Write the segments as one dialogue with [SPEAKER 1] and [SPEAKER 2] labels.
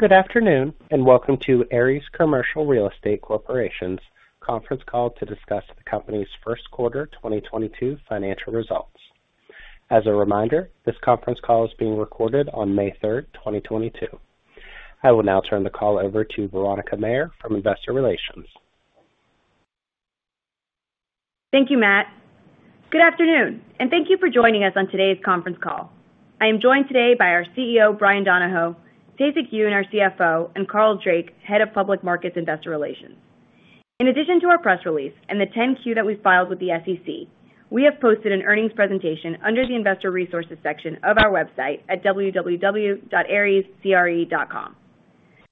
[SPEAKER 1] Good afternoon, and welcome to Ares Commercial Real Estate Corporation's conference call to discuss the company's first quarter 2022 financial results. As a reminder, this conference call is being recorded on May 3, 2022. I will now turn the call over to Veronica Mayer from Investor Relations.
[SPEAKER 2] Thank you, Matt. Good afternoon, and thank you for joining us on today's conference call. I am joined today by our CEO, Bryan Donohoe, Tae-Sik Yoon, and our CFO, and Carl Drake, Head of Public Markets, Investor Relations. In addition to our press release and the 10-Q that we filed with the SEC, we have posted an earnings presentation under the Investor Resources section of our website at www.arescre.com.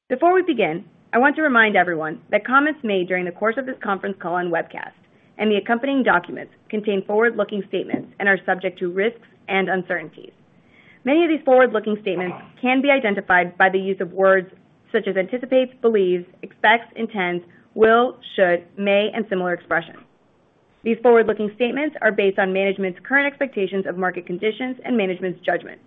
[SPEAKER 2] Before we begin, I want to remind everyone that comments made during the course of this conference call and webcast, and the accompanying documents, contain forward-looking statements and are subject to risks and uncertainties. Many of these forward-looking statements can be identified by the use of words such as anticipates, believes, expects, intends, will, should, may, and similar expressions. These forward-looking statements are based on management's current expectations of market conditions and management's judgment.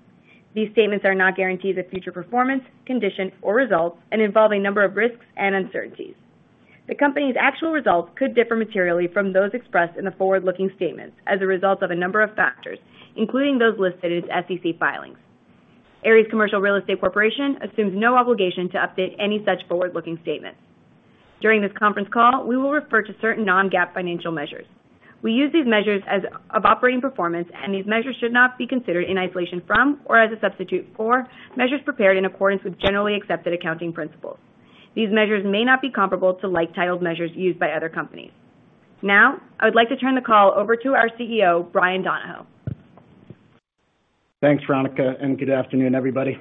[SPEAKER 2] These statements are not guarantees of future performance, conditions, or results and involve a number of risks and uncertainties. The company's actual results could differ materially from those expressed in the forward-looking statements as a result of a number of factors, including those listed in its SEC filings. Ares Commercial Real Estate Corporation assumes no obligation to update any such forward-looking statements. During this conference call, we will refer to certain non-GAAP financial measures. We use these measures as a measure of operating performance, and these measures should not be considered in isolation from or as a substitute for measures prepared in accordance with generally accepted accounting principles. These measures may not be comparable to like-titled measures used by other companies. Now, I would like to turn the call over to our CEO, Bryan Donohoe.
[SPEAKER 3] Thanks, Veronica, and good afternoon, everybody.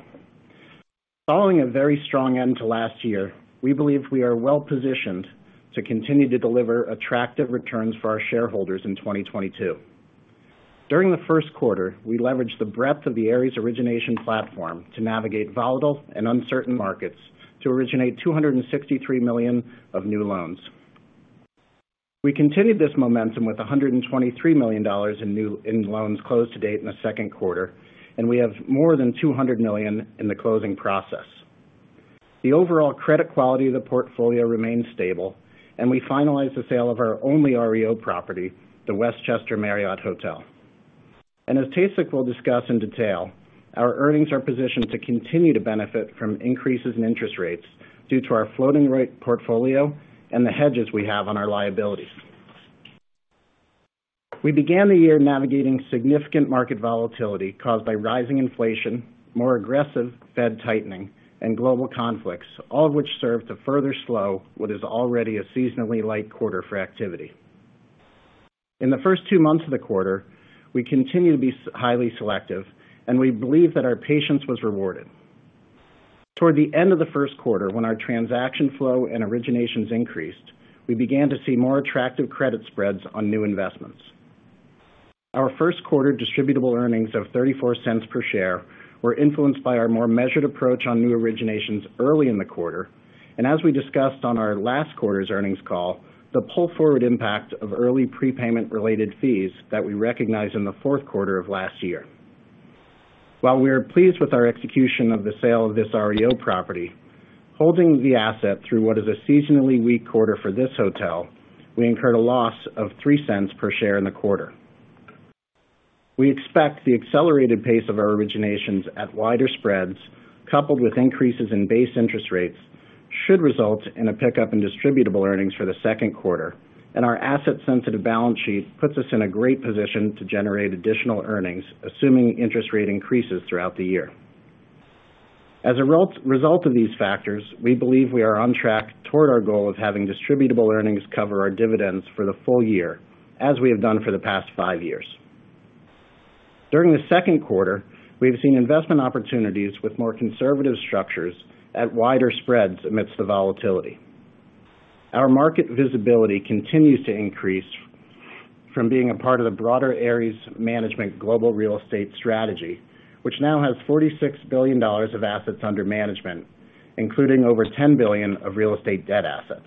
[SPEAKER 3] Following a very strong end to last year, we believe we are well-positioned to continue to deliver attractive returns for our shareholders in 2022. During the first quarter, we leveraged the breadth of the Ares origination platform to navigate volatile and uncertain markets to originate $263 million of new loans. We continued this momentum with $123 million in new loans closed to date in the second quarter, and we have more than $200 million in the closing process. The overall credit quality of the portfolio remains stable, and we finalized the sale of our only REO property, the Westchester Marriott Hotel. As Tae-Sik Yoon will discuss in detail, our earnings are positioned to continue to benefit from increases in interest rates due to our floating rate portfolio and the hedges we have on our liabilities. We began the year navigating significant market volatility caused by rising inflation, more aggressive Fed tightening and global conflicts, all of which served to further slow what is already a seasonally light quarter for activity. In the first two months of the quarter, we continued to be highly selective, and we believe that our patience was rewarded. Toward the end of the first quarter, when our transaction flow and originations increased, we began to see more attractive credit spreads on new investments. Our first quarter Distributable Earnings of $0.34 per share were influenced by our more measured approach on new originations early in the quarter, and as we discussed on our last quarter's earnings call, the pull-forward impact of early prepayment related fees that we recognized in the fourth quarter of last year. While we are pleased with our execution of the sale of this REO property, holding the asset through what is a seasonally weak quarter for this hotel, we incurred a loss of $0.03 per share in the quarter. We expect the accelerated pace of our originations at wider spreads, coupled with increases in base interest rates, should result in a pickup in Distributable Earnings for the second quarter, and our asset-sensitive balance sheet puts us in a great position to generate additional earnings, assuming interest rate increases throughout the year. As a result of these factors, we believe we are on track toward our goal of having distributable earnings cover our dividends for the full year, as we have done for the past 5 years. During the second quarter, we've seen investment opportunities with more conservative structures at wider spreads amidst the volatility. Our market visibility continues to increase from being a part of the broader Ares Management global real estate strategy, which now has $46 billion of assets under management, including over $10 billion of real estate debt assets.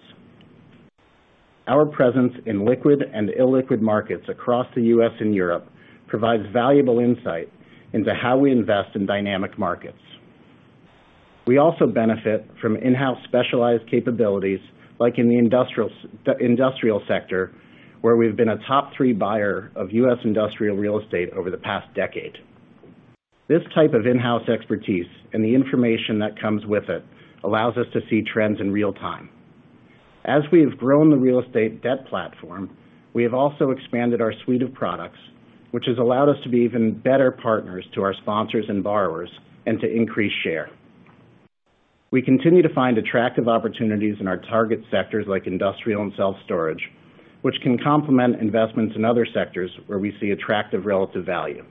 [SPEAKER 3] Our presence in liquid and illiquid markets across the U.S. and Europe provides valuable insight into how we invest in dynamic markets. We also benefit from in-house specialized capabilities, like in the industrial sector, where we've been a top three buyer of U.S. industrial real estate over the past decade. This type of in-house expertise and the information that comes with it allows us to see trends in real time. As we have grown the real estate debt platform, we have also expanded our suite of products, which has allowed us to be even better partners to our sponsors and borrowers and to increase share. We continue to find attractive opportunities in our target sectors like industrial and self-storage, which can complement investments in other sectors where we see attractive relative value.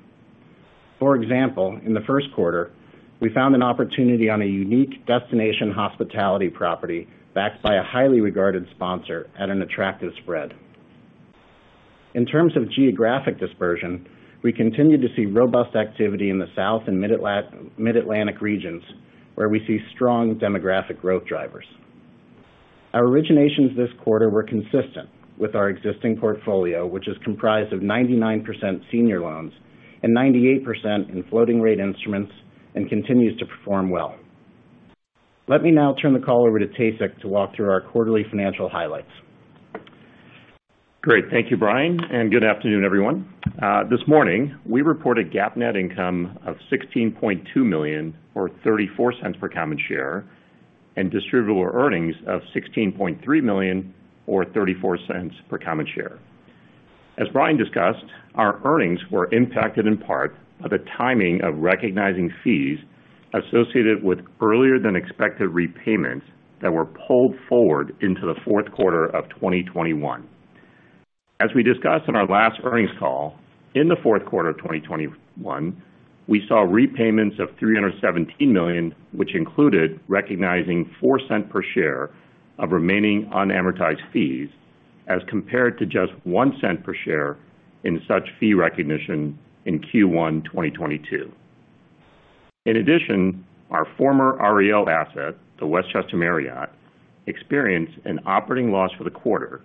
[SPEAKER 3] For example, in the first quarter, we found an opportunity on a unique destination hospitality property backed by a highly regarded sponsor at an attractive spread. In terms of geographic dispersion, we continued to see robust activity in the South and Mid-Atlantic regions, where we see strong demographic growth drivers. Our originations this quarter were consistent with our existing portfolio, which is comprised of 99% senior loans and 98% in floating rate instruments and continues to perform well. Let me now turn the call over to Tae-Sik Yoon to walk through our quarterly financial highlights.
[SPEAKER 4] Great. Thank you, Bryan, and good afternoon, everyone. This morning we reported GAAP net income of $16.2 million or $0.34 per common share, and distributable earnings of $16.3 million or $0.34 per common share. As Bryan discussed, our earnings were impacted in part by the timing of recognizing fees associated with earlier than expected repayments that were pulled forward into the fourth quarter of 2021. As we discussed on our last earnings call, in the fourth quarter of 2021, we saw repayments of $317 million, which included recognizing $0.04 per share of remaining unamortized fees as compared to just $0.01 per share in such fee recognition in Q1 2022. In addition, our former REO asset, the Westchester Marriott, experienced an operating loss for the quarter,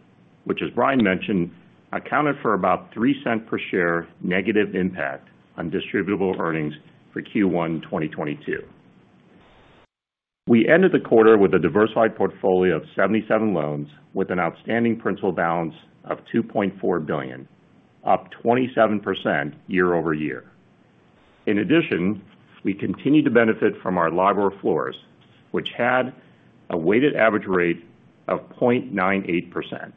[SPEAKER 4] which, as Bryan mentioned, accounted for about $0.03 per share negative impact on distributable earnings for 1Q 2022. We ended the quarter with a diversified portfolio of 77 loans with an outstanding principal balance of $2.4 billion, up 27% year-over-year. In addition, we continued to benefit from our LIBOR floors, which had a weighted average rate of 0.98%.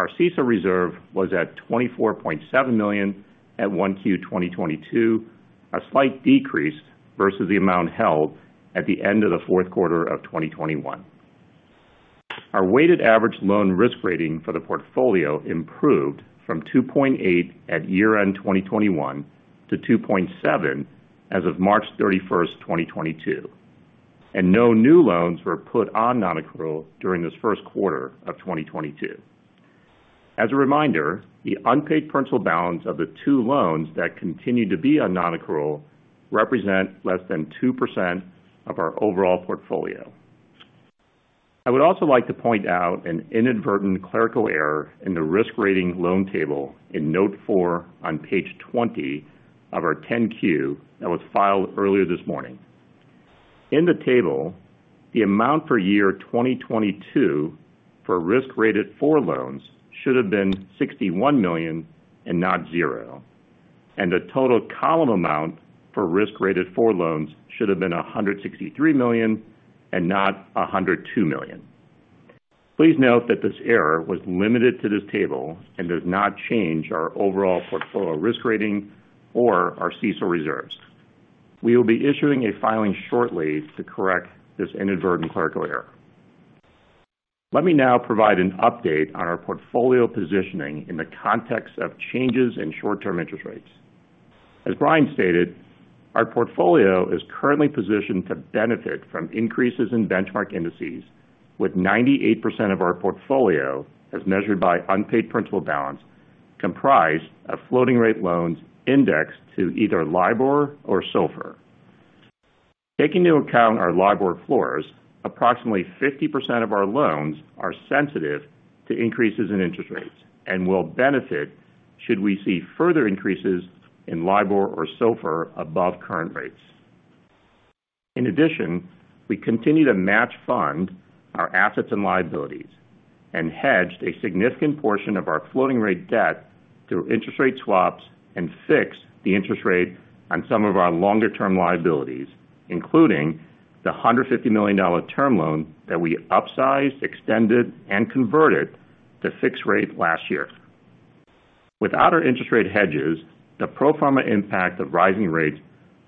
[SPEAKER 4] Our CECL reserve was at $24.7 million at 1Q 2022, a slight decrease versus the amount held at the end of the fourth quarter of 2021. Our weighted average loan risk rating for the portfolio improved from 2.8 at year-end 2021 to 2.7 as of March 31, 2022. No new loans were put on non-accrual during this first quarter of 2022. As a reminder, the unpaid principal balance of the two loans that continue to be on non-accrual represent less than 2% of our overall portfolio. I would also like to point out an inadvertent clerical error in the risk rating loan table in note four on page 20 of our 10-Q that was filed earlier this morning. In the table, the amount for year 2022 for risk rated four loans should have been $61 million and not zero. The total column amount for risk rated four loans should have been $163 million and not $102 million. Please note that this error was limited to this table and does not change our overall portfolio risk rating or our CECL reserves. We will be issuing a filing shortly to correct this inadvertent clerical error. Let me now provide an update on our portfolio positioning in the context of changes in short-term interest rates. As Bryan stated, our portfolio is currently positioned to benefit from increases in benchmark indices with 98% of our portfolio, as measured by unpaid principal balance, comprised of floating rate loans indexed to either LIBOR or SOFR. Taking into account our LIBOR floors, approximately 50% of our loans are sensitive to increases in interest rates and will benefit should we see further increases in LIBOR or SOFR above current rates. In addition, we continue to match fund our assets and liabilities and hedged a significant portion of our floating rate debt through interest rate swaps and fixed the interest rate on some of our longer term liabilities, including the $150 million term loan that we upsized, extended, and converted to fixed rate last year. Without our interest rate hedges, the pro forma impact of rising rates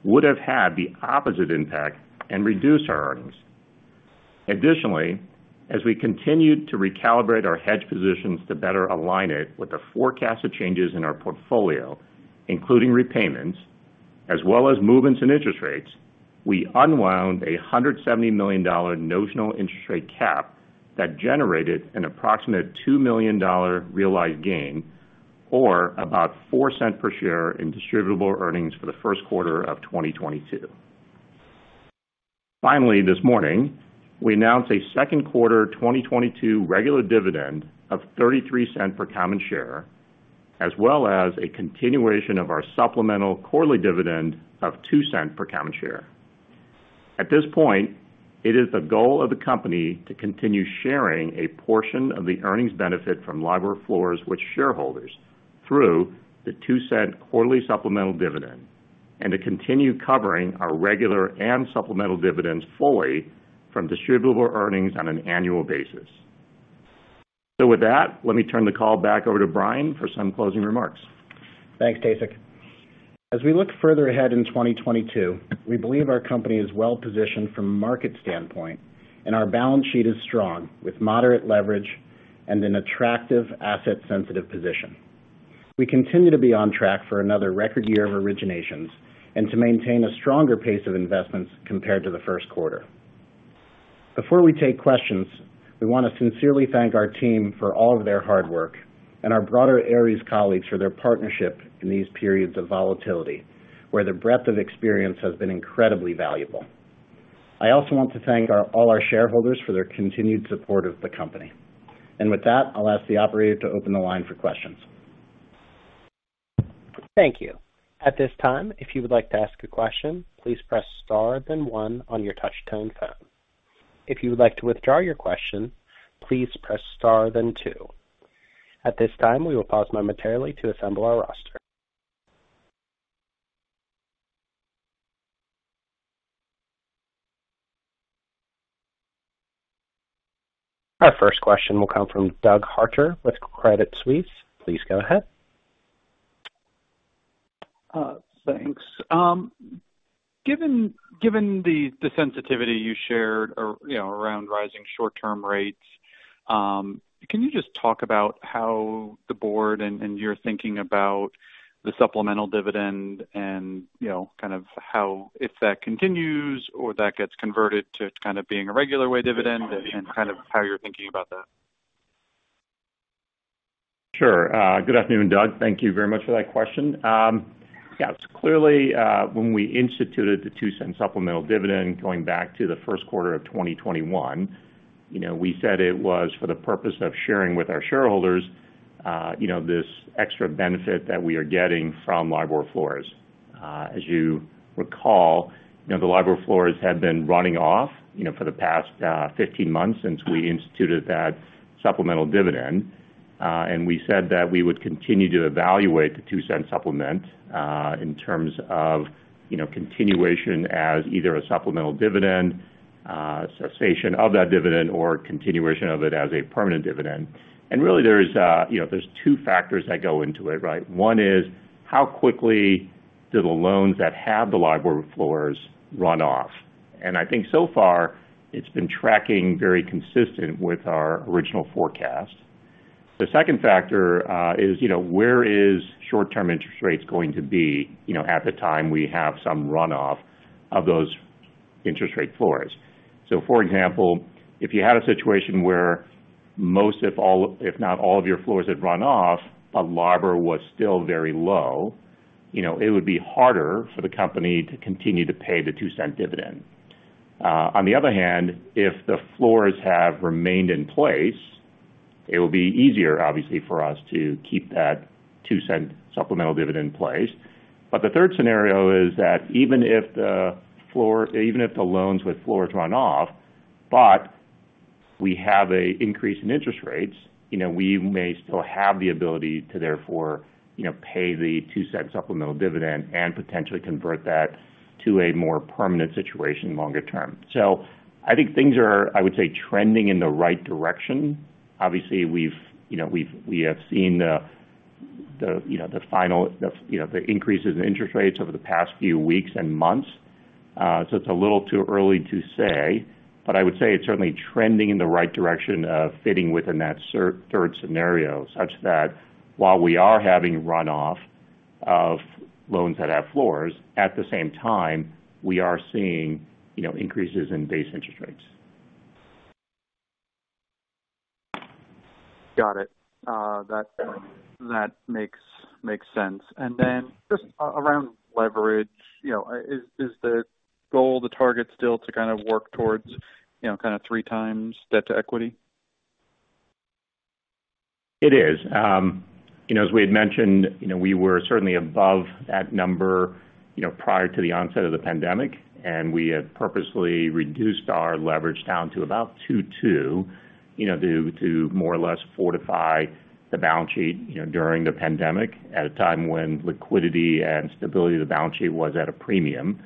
[SPEAKER 4] would have had the opposite impact and reduced our earnings. Additionally, as we continued to recalibrate our hedge positions to better align it with the forecasted changes in our portfolio, including repayments as well as movements in interest rates, we unwound a $170 million notional interest rate cap that generated an approximate $2 million realized gain, or about $0.04 per share in Distributable Earnings for the first quarter of 2022. Finally, this morning, we announced a second quarter 2022 regular dividend of $0.33 per common share, as well as a continuation of our supplemental quarterly dividend of $0.02 per common share. At this point, it is the goal of the company to continue sharing a portion of the earnings benefit from LIBOR floors with shareholders through the $0.02 quarterly supplemental dividend, and to continue covering our regular and supplemental dividends fully from Distributable Earnings on an annual basis. With that, let me turn the call back over to Bryan for some closing remarks.
[SPEAKER 3] Thanks, Tae-Sik. As we look further ahead in 2022, we believe our company is well-positioned from a market standpoint and our balance sheet is strong with moderate leverage and an attractive asset sensitive position. We continue to be on track for another record year of originations and to maintain a stronger pace of investments compared to the first quarter. Before we take questions, we want to sincerely thank our team for all of their hard work and our broader Ares colleagues for their partnership in these periods of volatility, where their breadth of experience has been incredibly valuable. I also want to thank all our shareholders for their continued support of the company. With that, I'll ask the operator to open the line for questions.
[SPEAKER 1] Thank you. At this time, if you would like to ask a question, please press star then one on your touchtone phone. If you would like to withdraw your question, please press star then two. At this time, we will pause momentarily to assemble our roster. Our first question will come from Douglas Harter with Credit Suisse. Please go ahead.
[SPEAKER 5] Thanks. Given the sensitivity you shared around rising short-term rates, can you just talk about how the board and you're thinking about the supplemental dividend and, you know, kind of how, if that continues or that gets converted to kind of being a regular way dividend and kind of how you're thinking about that?
[SPEAKER 4] Sure. Good afternoon, Doug. Thank you very much for that question. Yeah, clearly, when we instituted the $0.02 supplemental dividend going back to the first quarter of 2021, you know, we said it was for the purpose of sharing with our shareholders, you know, this extra benefit that we are getting from LIBOR floors. As you recall, you know, the LIBOR floors had been running off, you know, for the past 15 months since we instituted that supplemental dividend. We said that we would continue to evaluate the $0.02 supplement in terms of, you know, continuation as either a supplemental dividend, cessation of that dividend or continuation of it as a permanent dividend. Really, there's, you know, there's two factors that go into it, right? One is how quickly do the loans that have the LIBOR floors run off. I think so far it's been tracking very consistent with our original forecast. The second factor is, you know, where is short-term interest rates going to be, you know, at the time we have some runoff of those interest rate floors. For example, if you had a situation where most, if not all, of your floors had run off, but LIBOR was still very low, you know, it would be harder for the company to continue to pay the $0.02 dividend. On the other hand, if the floors have remained in place, it will be easier, obviously, for us to keep that $0.02 supplemental dividend in place. The third scenario is that even if the floors. Even if the loans with floors run off, but we have an increase in interest rates, you know, we may still have the ability to therefore, you know, pay the $0.02 supplemental dividend and potentially convert that to a more permanent situation longer term. I think things are, I would say, trending in the right direction. Obviously, you know, we have seen the you know, the increases in interest rates over the past few weeks and months. It's a little too early to say, but I would say it's certainly trending in the right direction of fitting within that third scenario, such that while we are having runoff of loans that have floors, at the same time we are seeing, you know, increases in base interest rates.
[SPEAKER 5] Got it. That makes sense. Then just around leverage, you know, is the goal, the target still to kind of work towards, you know, kind of 3x debt to equity?
[SPEAKER 4] It is. You know, as we had mentioned, you know, we were certainly above that number, you know, prior to the onset of the pandemic. We had purposely reduced our leverage down to about two, you know, to more or less fortify the balance sheet, you know, during the pandemic at a time when liquidity and stability of the balance sheet was at a premium.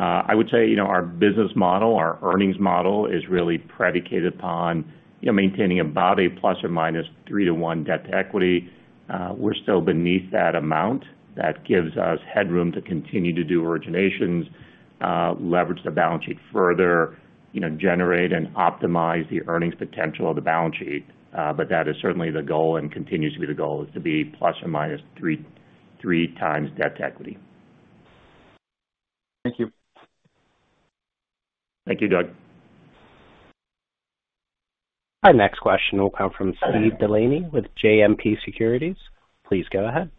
[SPEAKER 4] I would say, you know, our business model, our earnings model is really predicated upon, you know, maintaining about a plus or minus 3-to-1 debt to equity. We're still beneath that amount. That gives us headroom to continue to do originations, leverage the balance sheet further, you know, generate and optimize the earnings potential of the balance sheet. That is certainly the goal and continues to be the goal is to be ±3x debt to equity.
[SPEAKER 5] Thank you.
[SPEAKER 4] Thank you, Doug.
[SPEAKER 1] Our next question will come from Steve DeLaney with JMP Securities. Please go ahead.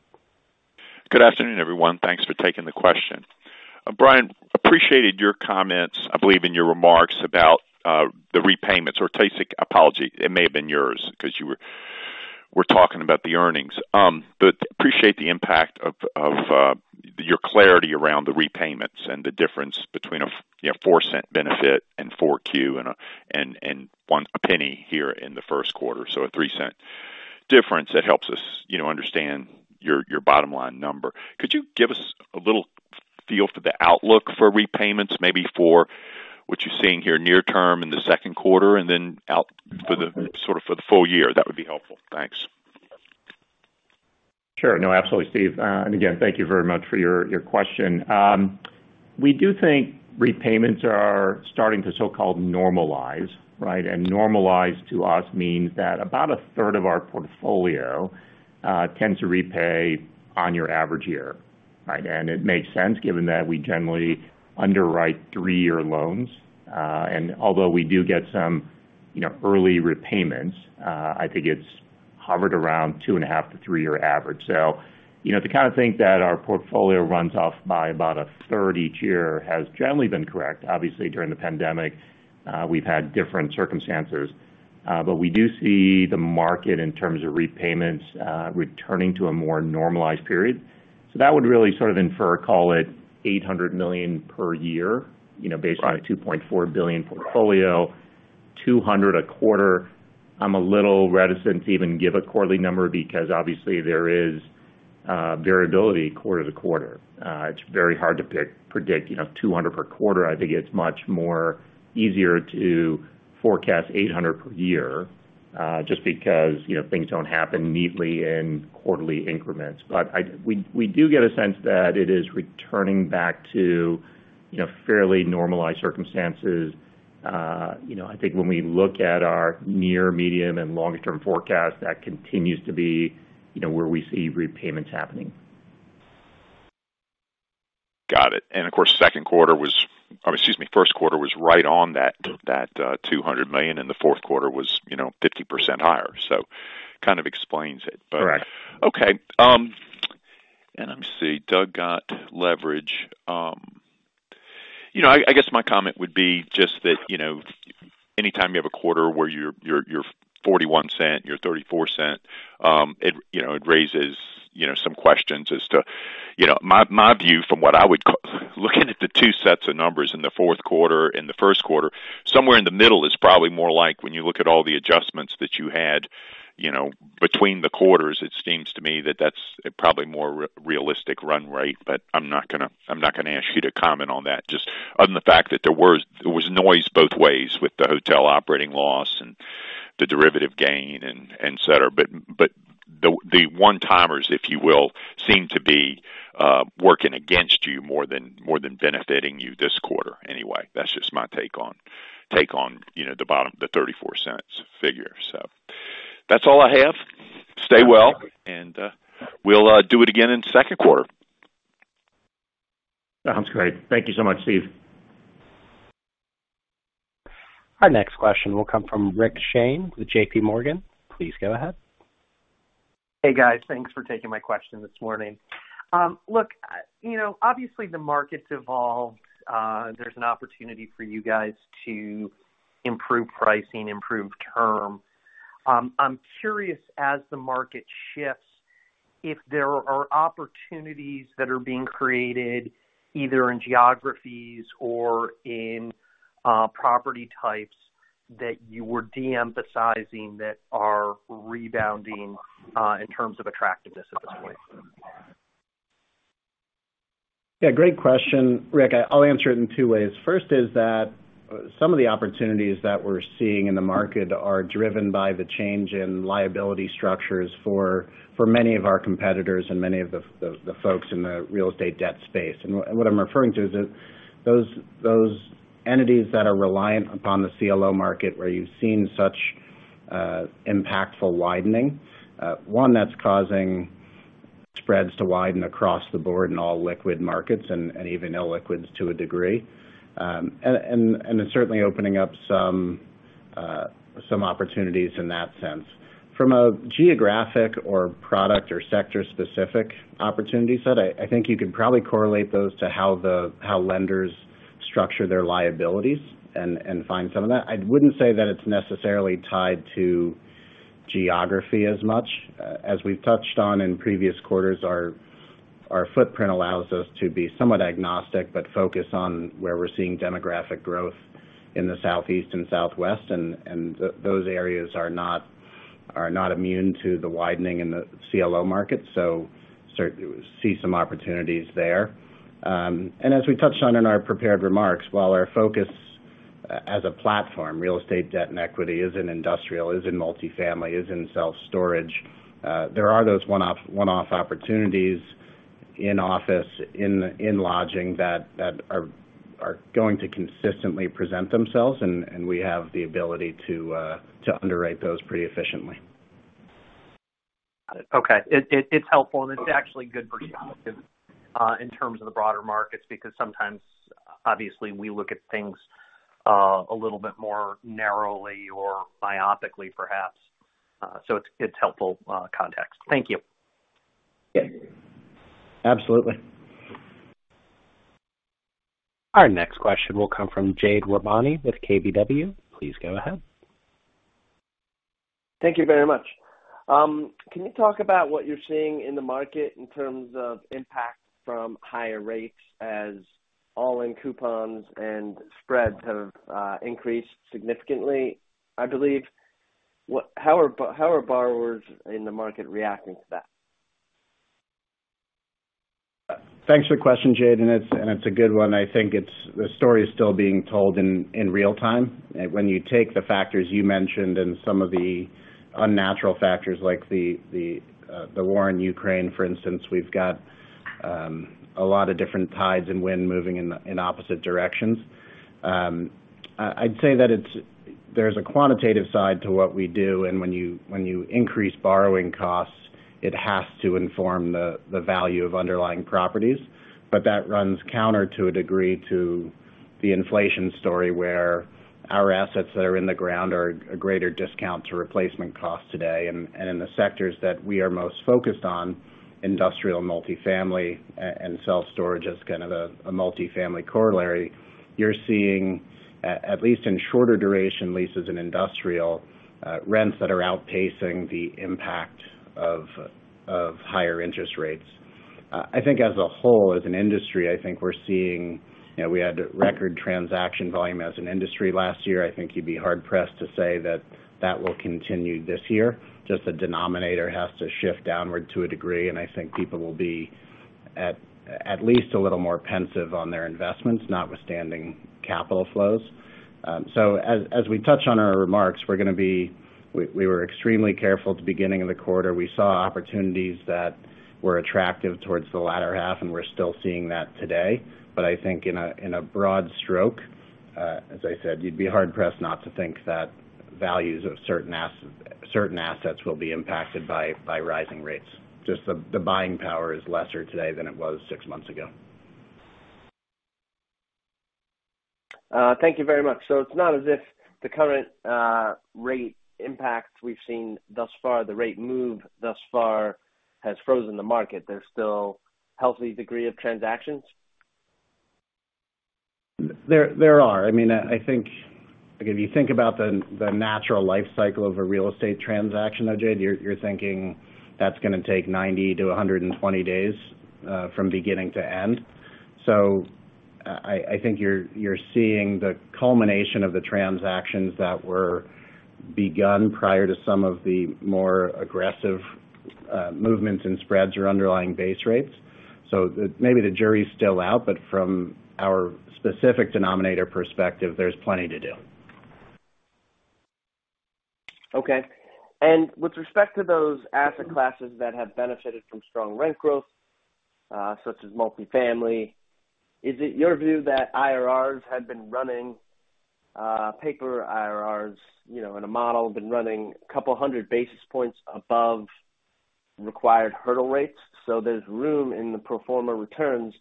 [SPEAKER 6] Good afternoon, everyone. Thanks for taking the question. Bryan, appreciated your comments, I believe in your remarks about the repayments, or Tae-sik, apology. It may have been yours because you were talking about the earnings. Appreciate the impact of your clarity around the repayments and the difference between a $0.04 benefit in 4Q and $0.01 here in the first quarter. So, a $0.03 difference that helps us, you know, understand your bottom line number. Could you give us a little feel for the outlook for repayments maybe for what you're seeing here near term in the second quarter and then out for the sort of for the full year. That would be helpful. Thanks.
[SPEAKER 4] Sure. No, absolutely, Steve. Again, thank you very much for your question. We do think repayments are starting to so-called normalize, right? Normalize to us means that about a third of our portfolio tends to repay in an average year, right? It makes sense given that we generally underwrite 3-year loans. Although we do get some, you know, early repayments, I think it's hovered around 2.5- to 3-year average. You know, to kind of think that our portfolio runs off by about a third each year has generally been correct. Obviously, during the pandemic, we've had different circumstances. We do see the market in terms of repayments returning to a more normalized period. That would really sort of infer, call it $800 million per year, you know.
[SPEAKER 6] Right.
[SPEAKER 4] Based on a $2.4 billion portfolio, $200 a quarter. I'm a little reticent to even give a quarterly number because obviously there is variability quarter to quarter. It's very hard to predict, you know, $200 per quarter. I think it's much more easier to forecast $800 per year, just because, you know, things don't happen neatly in quarterly increments. But we do get a sense that it is returning back to, you know, fairly normalized circumstances. You know, I think when we look at our near medium and longer term forecast, that continues to be, you know, where we see repayments happening.
[SPEAKER 6] Got it. Of course, first quarter was right on that $200 million, and the fourth quarter was, you know, 50% higher. Kind of explains it.
[SPEAKER 4] Correct.
[SPEAKER 6] Okay. Let me see, Doug got leverage. You know, I guess my comment would be just that, you know, anytime you have a quarter where you're $0.41, you're $0.34, it you know it raises you know some questions as to. You know, my view from looking at the two sets of numbers in the fourth quarter and the first quarter, somewhere in the middle is probably more like when you look at all the adjustments that you had, you know, between the quarters, it seems to me that that's probably more realistic run rate. I'm not gonna ask you to comment on that, just other than the fact that there was noise both ways with the hotel operating loss and the derivative gain and et cetera. The one-timers, if you will, seem to be working against you more than benefiting you this quarter anyway. That's just my take on you know the bottom $0.34 figure. That's all I have. Stay well, and we'll do it again in second quarter.
[SPEAKER 3] Sounds great. Thank you so much, Steve.
[SPEAKER 1] Our next question will come from Rick Shane with J.P. Morgan. Please go ahead.
[SPEAKER 7] Hey, guys. Thanks for taking my question this morning. Look, you know, obviously the market's evolved. There's an opportunity for you guys to improve pricing, improve term. I'm curious, as the market shifts, if there are opportunities that are being created, either in geographies or in property types that you were de-emphasizing that are rebounding in terms of attractiveness at this point.
[SPEAKER 3] Yeah, great question, Rick. I'll answer it in two ways. First is that some of the opportunities that we're seeing in the market are driven by the change in liability structures for many of our competitors and many of the folks in the real estate debt space. What I'm referring to is that those entities that are reliant upon the CLO market, where you've seen such impactful widening, one that's causing spreads to widen across the board in all liquid markets and even illiquids to a degree, and it's certainly opening up some opportunities in that sense. From a geographic or product or sector-specific opportunity set, I think you can probably correlate those to how lenders structure their liabilities and find some of that. I wouldn't say that it's necessarily tied to geography as much. As we've touched on in previous quarters, our footprint allows us to be somewhat agnostic, but focused on where we're seeing demographic growth in the Southeast and Southwest, and those areas are not immune to the widening in the CLO market. See some opportunities there. As we touched on in our prepared remarks, while our focus as a platform, real estate, debt, and equity is in industrial, is in multifamily, is in self-storage, there are those one-off opportunities in office, in lodging that are going to consistently present themselves, and we have the ability to underwrite those pretty efficiently.
[SPEAKER 7] Got it. Okay. It's helpful and it's actually good perspective in terms of the broader markets, because sometimes obviously we look at things a little bit more narrowly or myopically perhaps. So it's helpful context. Thank you.
[SPEAKER 3] Yeah. Absolutely.
[SPEAKER 1] Our next question will come from Jade Rahmani with KBW. Please go ahead.
[SPEAKER 8] Thank you very much. Can you talk about what you're seeing in the market in terms of impact from higher rates as all-in coupons and spreads have increased significantly, I believe? How are borrowers in the market reacting to that?
[SPEAKER 3] Thanks for the question, Jade, and it's a good one. I think the story is still being told in real time. When you take the factors you mentioned and some of the unnatural factors like the war in Ukraine, for instance, we've got a lot of different tides and wind moving in opposite directions. I'd say that there's a quantitative side to what we do, and when you increase borrowing costs, it has to inform the value of underlying properties. That runs counter to a degree to the inflation story where our assets that are in the ground are a greater discount to replacement costs today. In the sectors that we are most focused on, industrial, multifamily, and self-storage as kind of a multifamily corollary, you're seeing at least in shorter duration leases in industrial rents that are outpacing the impact of higher interest rates. I think as a whole, as an industry, I think we're seeing. You know, we had a record transaction volume as an industry last year. I think you'd be hard-pressed to say that will continue this year. Just the denominator has to shift downward to a degree, and I think people will be at least a little more pensive on their investments, notwithstanding capital flows. As we touch on our remarks, we were extremely careful at the beginning of the quarter. We saw opportunities that were attractive towards the latter half, and we're still seeing that today. I think in a broad stroke, as I said, you'd be hard-pressed not to think that values of certain assets will be impacted by rising rates. Just the buying power is lesser today than it was six months ago.
[SPEAKER 8] Thank you very much. It's not as if the current rate impact we've seen thus far, the rate move thus far, has frozen the market. There's still healthy degree of transactions?
[SPEAKER 3] I mean, I think, again, if you think about the natural life cycle of a real estate transaction, though, Jay, you're thinking that's gonna take 90-120 days from beginning to end. I think you're seeing the culmination of the transactions that were begun prior to some of the more aggressive movements in spreads or underlying base rates. Maybe the jury's still out, but from our specific denominator perspective, there's plenty to do.
[SPEAKER 8] Okay. With respect to those asset classes that have benefited from strong rent growth, such as multifamily, is it your view that IRRs had been running, paper IRRs, you know, in a model, been running a couple hundred basis points above required hurdle rates? There's room in the pro forma returns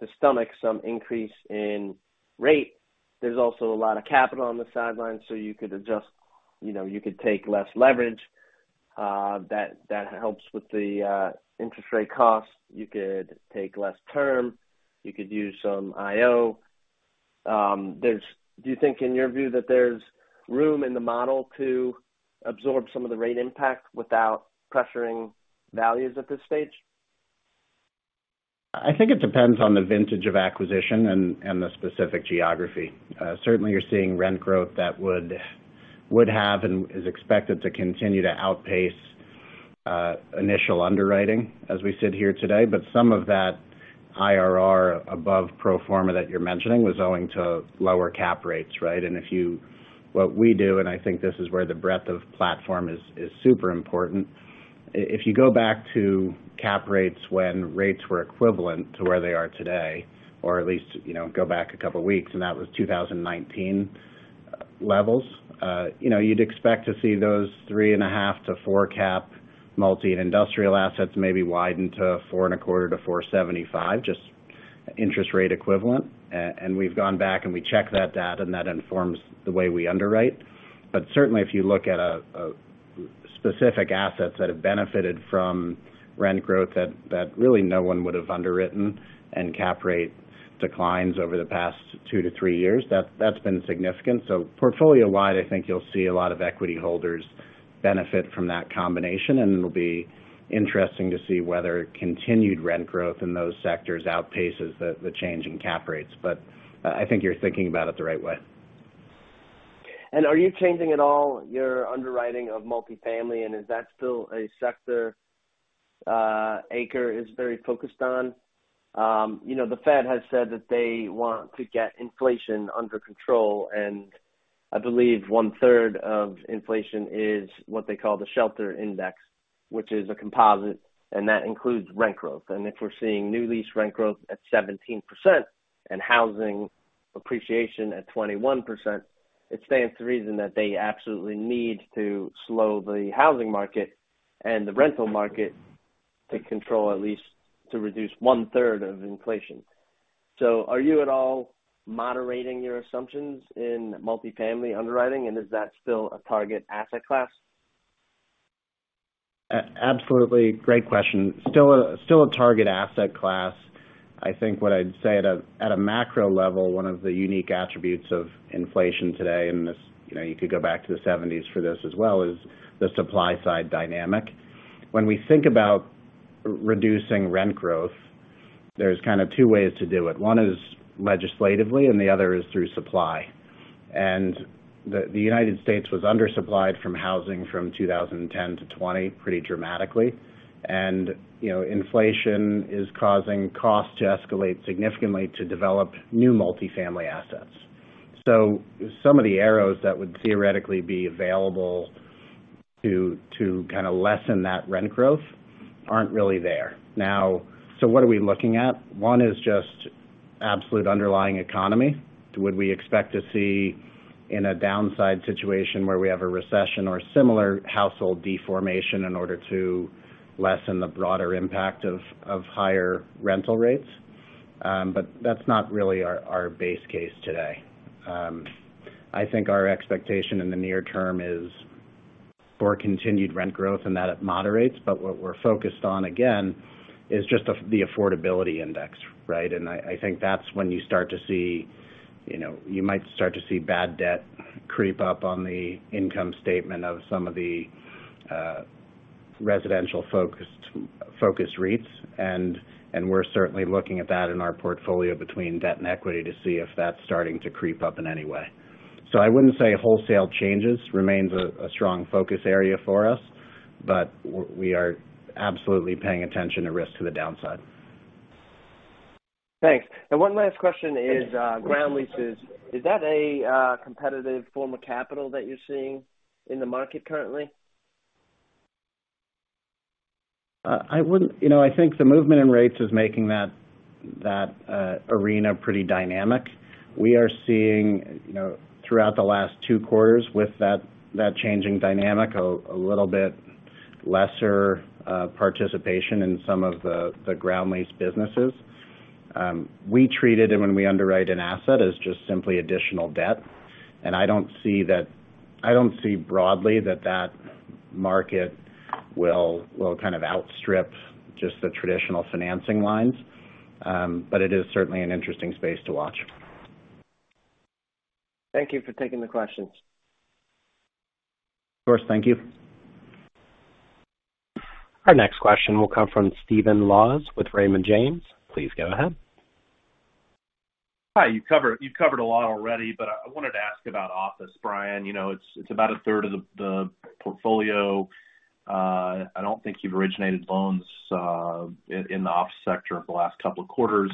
[SPEAKER 8] to stomach some increase in rate. There's also a lot of capital on the sidelines, so you could adjust, you know, you could take less leverage, that helps with the interest rate cost. You could take less term. You could use some IO. Do you think in your view that there's room in the model to absorb some of the rate impact without pressuring values at this stage?
[SPEAKER 3] I think it depends on the vintage of acquisition and the specific geography. Certainly you're seeing rent growth that would have and is expected to continue to outpace initial underwriting as we sit here today. Some of that IRR above pro forma that you're mentioning was owing to lower cap rates, right? What we do, and I think this is where the breadth of platform is super important, if you go back to cap rates when rates were equivalent to where they are today, or at least go back a couple of weeks, and that was 2019 levels, you'd expect to see those 3.5-4 cap multi and industrial assets maybe widen to 4.25-4.75, just interest rate equivalent. We've gone back and we check that data, and that informs the way we underwrite. Certainly, if you look at specific assets that have benefited from rent growth that really no one would have underwritten and cap rate declines over the past two to three years, that's been significant. Portfolio-wide, I think you'll see a lot of equity holders benefit from that combination, and it'll be interesting to see whether continued rent growth in those sectors outpaces the change in cap rates. I think you're thinking about it the right way.
[SPEAKER 8] Are you changing at all your underwriting of multifamily, and is that still a sector ACRE is very focused on? You know, the Fed has said that they want to get inflation under control, and I believe one-third of inflation is what they call the Shelter Index, which is a composite, and that includes rent growth. If we're seeing new lease rent growth at 17% and housing appreciation at 21%, it stands to reason that they absolutely need to slow the housing market and the rental market to control, at least to reduce one-third of inflation. Are you at all moderating your assumptions in multifamily underwriting, and is that still a target asset class?
[SPEAKER 3] Absolutely. Great question. Still a target asset class. I think what I'd say at a macro level, one of the unique attributes of inflation today, and this, you know, you could go back to the 1970s for this as well, is the supply side dynamic. When we think about reducing rent growth, there's kind of two ways to do it. One is legislatively, and the other is through supply. The United States was undersupplied from housing from 2010 to 2020 pretty dramatically. You know, inflation is causing costs to escalate significantly to develop new multifamily assets. Some of the arrows that would theoretically be available to kinda lessen that rent growth aren't really there. Now, what are we looking at? One is just absolute underlying economy. Would we expect to see in a downside situation where we have a recession or similar household formation in order to lessen the broader impact of higher rental rates? That's not really our base case today. I think our expectation in the near term is for continued rent growth and that it moderates. What we're focused on, again, is just the affordability index, right? We're certainly looking at that in our portfolio between debt and equity to see if that's starting to creep up in any way. I wouldn't say wholesale changes remains a strong focus area for us, but we are absolutely paying attention to risk to the downside.
[SPEAKER 8] Thanks. One last question is ground leases. Is that a competitive form of capital that you're seeing in the market currently?
[SPEAKER 3] I wouldn't. You know, I think the movement in rates is making that arena pretty dynamic. We are seeing, you know, throughout the last two quarters with that changing dynamic, a little bit lesser participation in some of the ground lease businesses. We treated it when we underwrite an asset as just simply additional debt, and I don't see broadly that market will kind of outstrip just the traditional financing lines. It is certainly an interesting space to watch.
[SPEAKER 8] Thank you for taking the questions.
[SPEAKER 3] Of course. Thank you.
[SPEAKER 1] Our next question will come from Stephen Laws with Raymond James. Please go ahead.
[SPEAKER 9] Hi. You covered a lot already, but I wanted to ask about office, Bryan. You know, it's about a third of the portfolio. I don't think you've originated loans in the office sector over the last couple of quarters.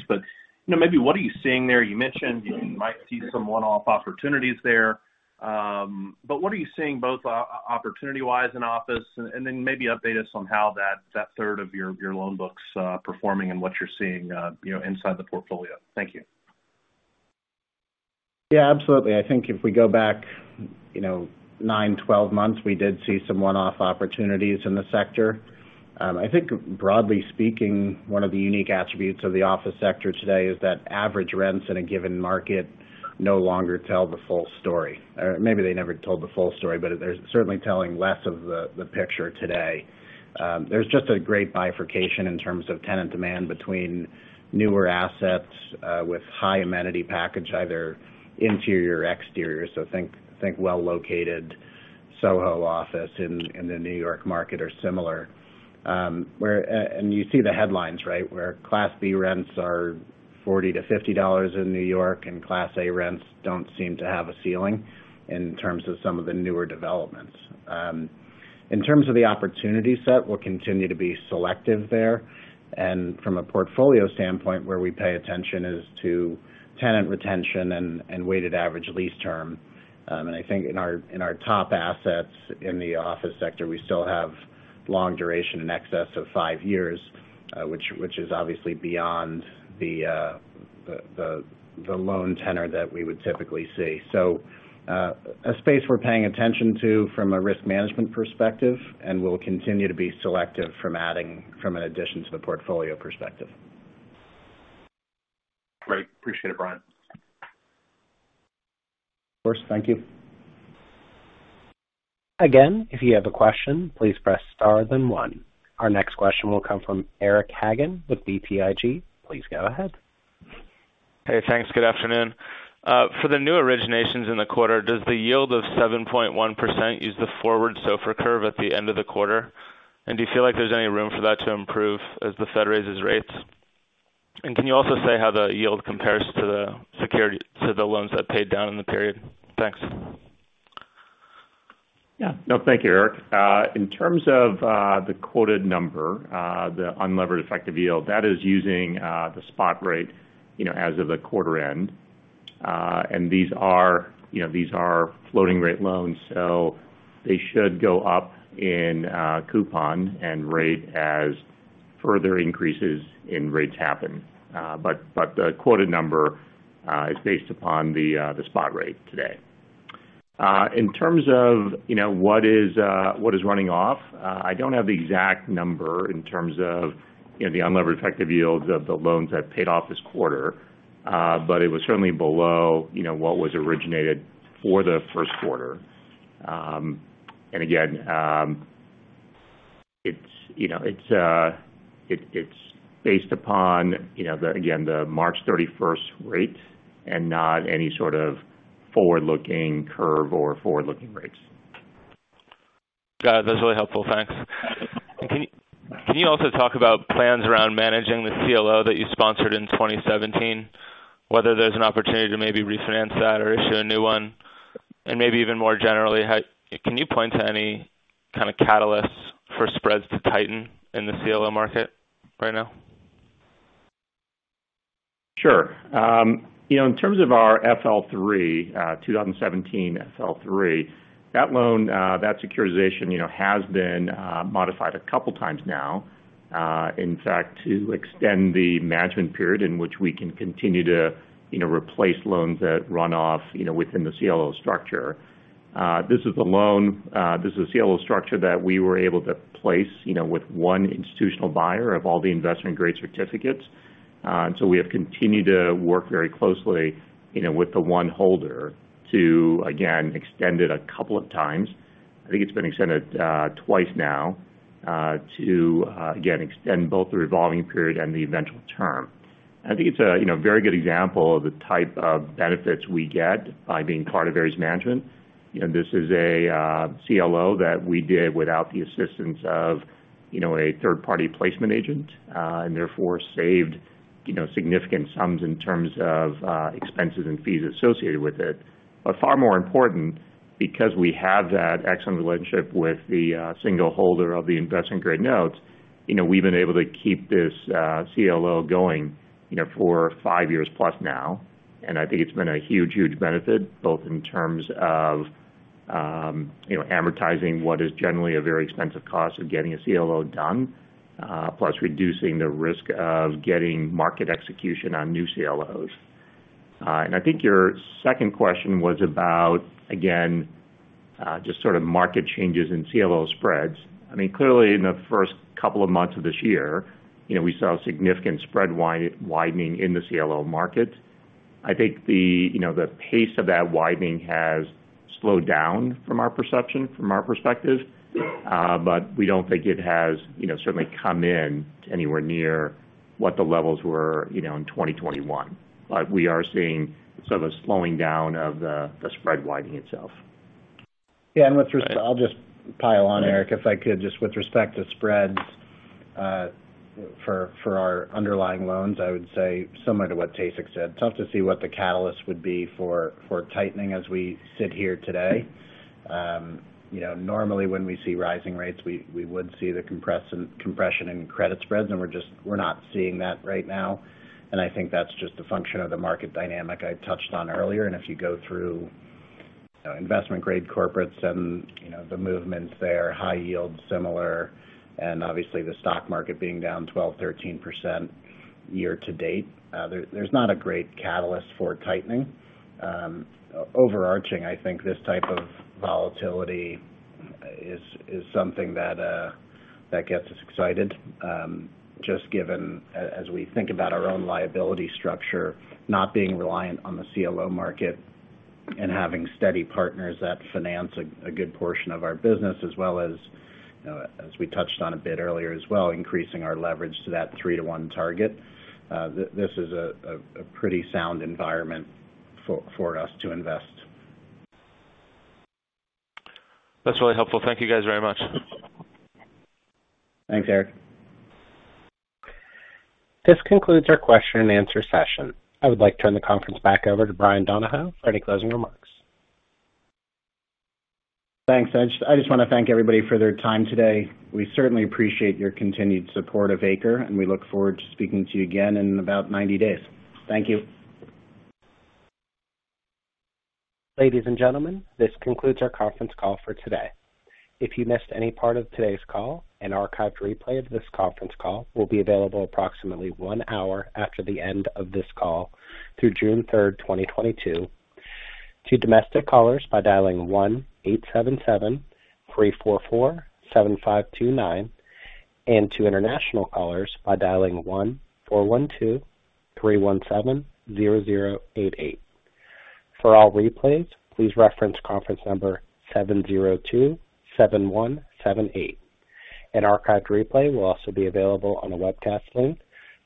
[SPEAKER 9] You know, maybe what are you seeing there? You mentioned you might see some one-off opportunities there. What are you seeing both opportunity wise in office? Then maybe update us on how that third of your loan book's performing and what you're seeing, you know, inside the portfolio. Thank you.
[SPEAKER 3] Yeah, absolutely. I think if we go back, you know, nine, 12 months, we did see some one-off opportunities in the sector. I think broadly speaking, one of the unique attributes of the office sector today is that average rents in a given market no longer tell the full story. Or maybe they never told the full story, but they're certainly telling less of the picture today. There's just a great bifurcation in terms of tenant demand between newer assets with high amenity package, either interior, exterior. So think well-located SoHo office in the New York market or similar. And you see the headlines, right? Where Class B rents are $40-$50 in New York and Class A rents don't seem to have a ceiling in terms of some of the newer developments. In terms of the opportunity set, we'll continue to be selective there. From a portfolio standpoint, where we pay attention is to tenant retention and weighted average lease term. I think in our top assets in the office sector, we still have long duration in excess of five years, which is obviously beyond the loan tenor that we would typically see. A space we're paying attention to from a risk management perspective, and we'll continue to be selective in adding to the portfolio perspective.
[SPEAKER 9] Great. Appreciate it, Bryan.
[SPEAKER 3] Of course. Thank you.
[SPEAKER 1] Again, if you have a question, please press star then one. Our next question will come from Eric Hagen with BTIG. Please go ahead.
[SPEAKER 10] Hey, thanks. Good afternoon. For the new originations in the quarter, does the yield of 7.1% use the forward SOFR curve at the end of the quarter? Do you feel like there's any room for that to improve as the Fed raises rates? Can you also say how the yield compares to the loans that paid down in the period? Thanks.
[SPEAKER 4] Yeah. No, thank you, Eric. In terms of the quoted number, the unlevered effective yield, that is using the spot rate, you know, as of the quarter end. These are, you know, these are floating rate loans, so they should go up in coupon and rate as further increases in rates happen. But the quoted number is based upon the spot rate today. In terms of, you know, what is running off, I don't have the exact number in terms of, you know, the unlevered effective yields of the loans that paid off this quarter, but it was certainly below, you know, what was originated for the first quarter. Again, it's, you know, based upon, you know, the, again, the 31 March rate and not any sort of forward-looking curve or forward-looking rates.
[SPEAKER 10] Got it. That's really helpful. Thanks. Can you also talk about plans around managing the CLO that you sponsored in 2017? Whether there's an opportunity to maybe refinance that or issue a new one? Maybe even more generally, how can you point to any kind of catalysts for spreads to tighten in the CLO market right now?
[SPEAKER 4] Sure. You know, in terms of our FL3, 2017 FL3, that loan, that securitization, you know, has been modified a couple times now, in fact, to extend the management period in which we can continue to, you know, replace loans that run off, you know, within the CLO structure. This is the CLO structure that we were able to place, you know, with one institutional buyer of all the investment-grade certificates. We have continued to work very closely, you know, with the one holder to, again, extend it a couple of times. I think it's been extended twice now to, again, extend both the revolving period and the eventual term. I think it's a, you know, very good example of the type of benefits we get by being part of Ares Management. You know, this is a CLO that we did without the assistance of, you know, a third-party placement agent, and therefore saved, you know, significant sums in terms of expenses and fees associated with it. Far more important, because we have that excellent relationship with the single holder of the investment grade notes, you know, we've been able to keep this CLO going, you know, for five years plus now. I think it's been a huge benefit, both in terms of, you know, amortizing what is generally a very expensive cost of getting a CLO done, plus reducing the risk of getting market execution on new CLOs. I think your second question was about, again, just sort of market changes in CLO spreads. I mean, clearly in the first couple of months of this year, you know, we saw significant spread widening in the CLO market. I think you know the pace of that widening has slowed down from our perception, from our perspective, but we don't think it has, you know, certainly come in anywhere near what the levels were, you know, in 2021. We are seeing sort of a slowing down of the spread widening itself.
[SPEAKER 3] Yeah. With respect, I'll just pile on, Eric, if I could, just with respect to spreads, for our underlying loans, I would say similar to what Tae-Sik Yoon said. It's tough to see what the catalyst would be for tightening as we sit here today. You know, normally when we see rising rates, we would see the compression in credit spreads, and we're just not seeing that right now. I think that's just a function of the market dynamic I touched on earlier. If you go through investment grade corporates and, you know, the movements there, high yield, similar, and obviously the stock market being down 12%-13% year-to-date, there's not a great catalyst for tightening. Overarching, I think this type of volatility is something that gets us excited, just given as we think about our own liability structure, not being reliant on the CLO market and having steady partners that finance a good portion of our business as well as, you know, as we touched on a bit earlier as well, increasing our leverage to that 3-to-1 target. This is a pretty sound environment for us to invest.
[SPEAKER 10] That's really helpful. Thank you guys very much.
[SPEAKER 3] Thanks, Eric.
[SPEAKER 1] This concludes our question and answer session. I would like to turn the conference back over to Bryan Donohoe for any closing remarks.
[SPEAKER 3] Thanks. I just wanna thank everybody for their time today. We certainly appreciate your continued support of ACRE, and we look forward to speaking to you again in about 90 days. Thank you.
[SPEAKER 1] Ladies and gentlemen, this concludes our conference call for today. If you missed any part of today's call, an archived replay of this conference call will be available approximately one hour after the end of this call through June 3, 2022 to domestic callers by dialing 1-877-344-7529, and to international callers by dialing 1-412-317-0088. For all replays, please reference conference number 702-7178. An archived replay will also be available on the webcast link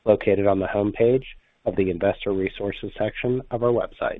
[SPEAKER 1] located on the homepage of the Investor Resources section of our website.